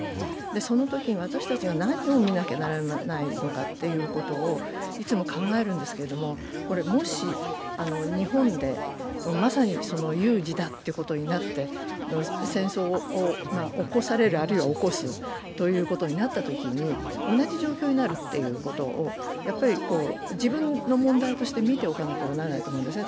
そのとき私たちが何を見なきゃならないのかということをいつも考えるんですけども、もし日本で、まさに有事だっていうことになって戦争を起こされる、あるいは起こすということになったときに同じ状況になるっていうことを自分の問題として見ておかなければならないと思うんですね。